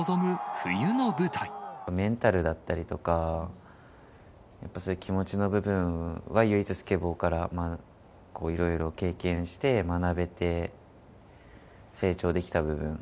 メンタルだったりとか、やっぱり、そういう気持ちの部分は唯一スケボーからいろいろ経験して、学べて、成長できた部分。